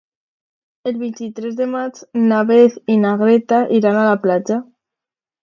El vint-i-tres de maig na Beth i na Greta iran a la platja.